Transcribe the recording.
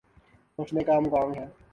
سوچنے کا مقام ہے۔